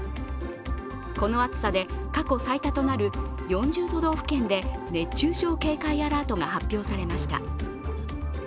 この暑さで過去最多となる４０都道府県で熱中症警戒アラートが発表されました。